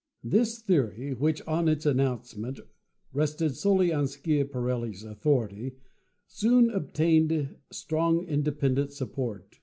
This theory, which on its announcement rested solely on Schiaparelli's authority, soon obtained strong inde pendent support.